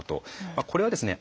これはですね